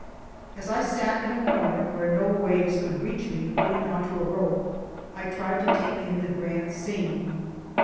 As I sat in a corner where no waves could reach me, holding on to a rope, I tried to take in the grand scene.